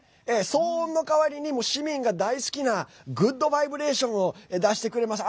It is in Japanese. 騒音の代わりに市民が大好きなグッドバイブレーションを出してくれます。